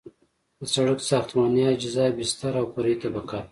د سرک ساختماني اجزا بستر او فرعي طبقه ده